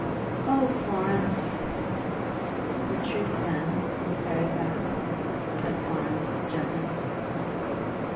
"Oh, Florence!" "The truth, then, is very bad?" said Florence, gently.